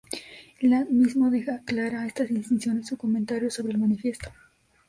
Land mismo deja clara esta distinción en su comentario sobre el manifiesto.